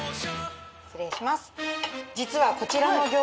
失礼します。